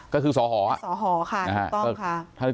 ก็คือสหที่เรียกกัน